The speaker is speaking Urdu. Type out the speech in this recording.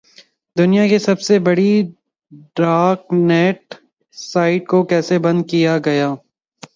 دنیا کی سب سے بڑی ڈارک نیٹ سائٹ کو کیسے بند کیا گیا؟